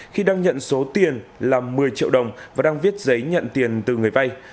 khi đang nhận số tiền là một mươi triệu đồng và đang viết giấy nhận tiền từ người vay